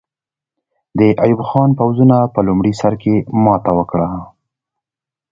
د ایوب خان پوځونو په لومړي سر کې ماته وکړه.